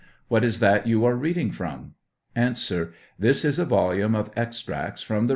What is that you are reading from ? A. This is a volume of extracts from the.